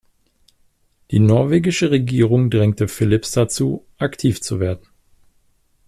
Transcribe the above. Die norwegische Regierung drängte Phillips dazu, aktiv zu werden.